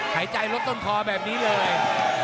หายใจลดต้นคอแบบนี้เลย